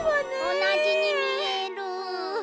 おなじにみえる。